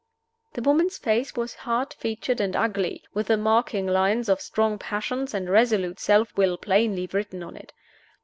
The woman's face was hard featured and ugly, with the marking lines of strong passions and resolute self will plainly written on it.